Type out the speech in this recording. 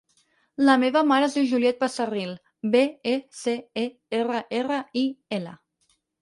La meva mare es diu Juliette Becerril: be, e, ce, e, erra, erra, i, ela.